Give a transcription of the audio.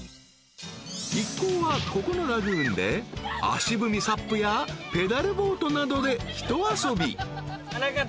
［一行はここのラグーンで足踏みＳＵＰやペダルボートなどでひと遊び］